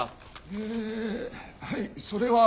えはいそれは。